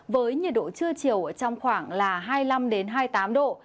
với nhiệt độ trưa chiều trong khoảng hai mươi năm đến hai mươi tám độ